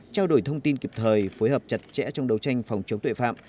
trao đổi thông tin kịp thời phối hợp chặt chẽ trong đấu tranh phòng chống tội phạm